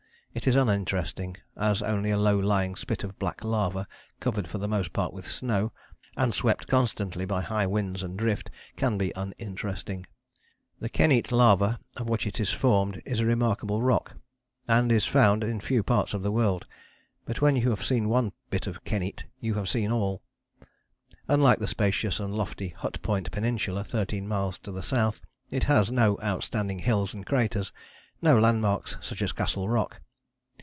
It is uninteresting, as only a low lying spit of black lava covered for the most part with snow, and swept constantly by high winds and drift, can be uninteresting. The kenyte lava of which it is formed is a remarkable rock, and is found in few parts of the world: but when you have seen one bit of kenyte you have seen all. Unlike the spacious and lofty Hut Point Peninsula, thirteen miles to the south, it has no outstanding hills and craters; no landmarks such as Castle Rock.